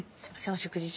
お食事中。